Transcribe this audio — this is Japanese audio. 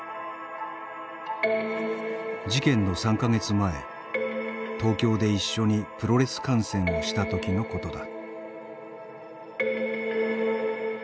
事件の３か月前東京で一緒にプロレス観戦をした時のことだ。